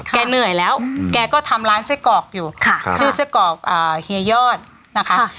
เหนื่อยแล้วแกก็ทำร้านไส้กรอกอยู่ค่ะชื่อไส้กรอกเฮียยอดนะคะ